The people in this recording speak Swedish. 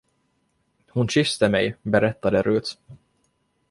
Hon kysste mig, berättade Rut.